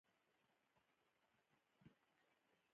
په هر شي دي کار دی.